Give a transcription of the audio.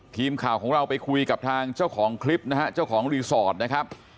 ทีมข่าวของเราไปคุยกับทางเจ้าของคลิปนะฮะเจ้าของรีสอร์ทนะครับ